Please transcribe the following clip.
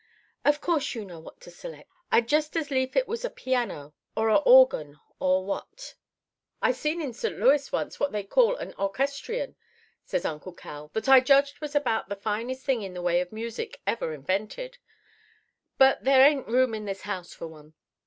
'Of course you know what to select. I'd just as lief it was a piano or a organ or what.' "'I see in St. Louis once what they call a orchestrion,' says Uncle Cal, 'that I judged was about the finest thing in the way of music ever invented. But there ain't room in this house for one.